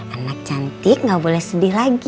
anak cantik gak boleh sedih lagi